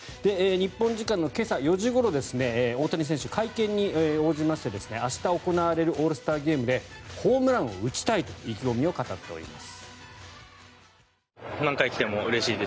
日本時間の今朝４時ごろ大谷選手、会見に応じまして明日行われるオールスターゲームでホームランを打ちたいと意気込みを語っております。